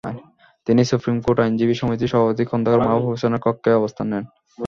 তিনি supreme court আইনজীবী সমিতির সভাপতি খন্দকার মাহবুব হোসেনের কক্ষে অবস্থান নেন।